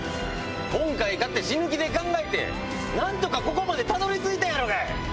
今回かて死ぬ気で考えて何とかここまでたどり着いたんやろがい！